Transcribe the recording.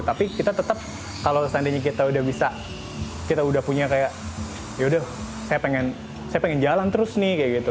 tapi kita tetap kalau seandainya kita udah bisa kita udah punya kayak yaudah saya pengen jalan terus nih kayak gitu